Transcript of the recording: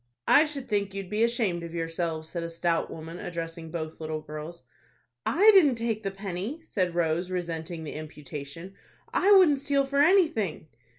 "I should think you'd be ashamed of yourselves," said a stout woman, addressing both little girls. "I didn't take the penny," said Rose, resenting the imputation; "I wouldn't steal for anything."